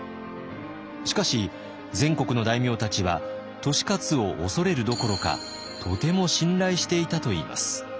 しかし全国の大名たちは利勝を恐れるどころかとても信頼していたといいます。